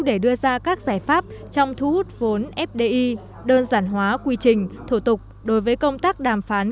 để đưa ra các giải pháp trong thu hút vốn fdi đơn giản hóa quy trình thủ tục đối với công tác đàm phán